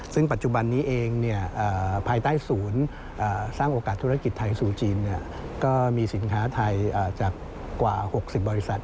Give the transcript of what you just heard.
ซึ่งปัจจุบันนี้เองภายใต้ศูนย์สร้างโอกาสธุรกิจไทยสู่จีนก็มีสินค้าไทยจากกว่า๖๐บริษัท